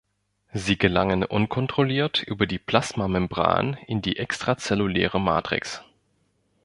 Sie gelangen unkontrolliert über die Plasmamembran in die extrazelluläre Matrix.